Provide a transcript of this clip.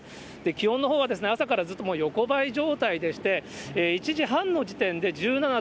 気温のほうは、朝からずっと横ばい状態でして、１時半の時点で１７．４度。